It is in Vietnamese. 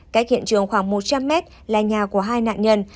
cách hiện trường khoảng một trăm linh mét là nhà của hai nạn nhân